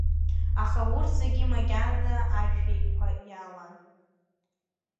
Аха урҭ зегьы макьана ашәеиқәа иалан.